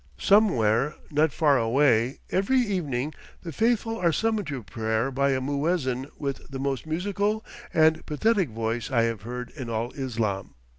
Somewhere, not far away, every evening the faithful are summoned to prayer by a muezzin with the most musical and pathetic voice I have heard in all Islam.